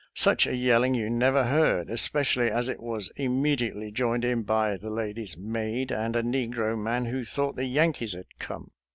Such a yelling you never heard, especially as it was immediately joined in by the lady's maid, and a negro man who thought the Yankees had come.